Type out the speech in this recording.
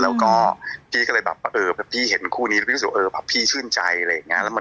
แล้วก็พี่ก็เลยแบบว่าเออแบบพี่เห็นคู่นี้แล้วพี่รู้สึกเออแบบพี่ชื่นใจอะไรอย่างนี้